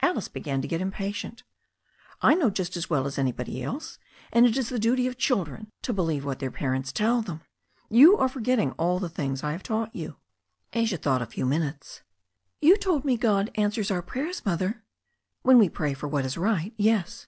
Alice began to get impatient. "I know just as well as anybody else, and it is the duty of children to believe what their parents tell them. You are forgetting all the things I have taught you." Asia thought a few minutes. "You told me God answers our prayers. Mother." "When we pray for what is right, yes."